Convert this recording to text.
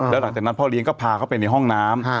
แล้วหลังจากนั้นพ่อเลี้ยงก็พาเข้าไปในห้องน้ำ